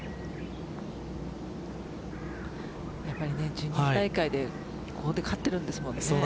ジュニア大会でここで勝ってるんですもんね。